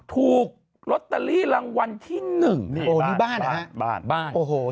ถูกลอตเตอรี่รางวัลที่หนึ่งนี่โอ้นี่บ้านเหรอฮะบ้านบ้านโอ้โห